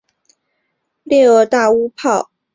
裂萼大乌泡为蔷薇科悬钩子属下的一个变种。